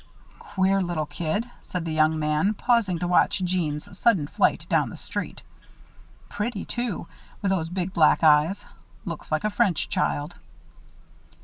"Queer little kid!" said the young man, pausing to watch Jeanne's sudden flight down the street. "Pretty, too, with those big black eyes. Looks like a French child."